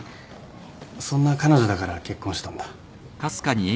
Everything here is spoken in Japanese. そんな彼女だから結婚したんだ。